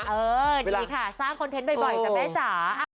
เออดีค่ะสร้างคอนเทนต์บ่อยจ้ะแม่จ๋า